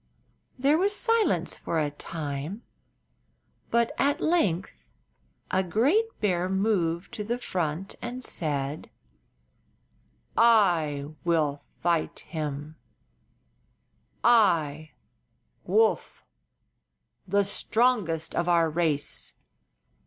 There was silence for a time, but at length a great bear moved to the front and said: "I will fight him; I—Woof—the strongest of our race!